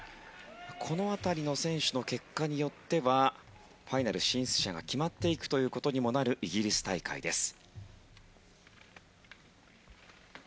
この辺りの選手の結果によってはファイナル進出者が決まっていくことにもなるイギリス大会です。